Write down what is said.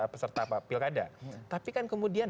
peserta pilkada tapi kan kemudian